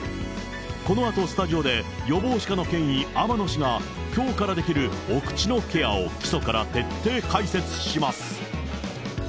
このあとスタジオで、予防歯科の権威、天野氏が、きょうからできるお口のケアを基礎から徹底解説します。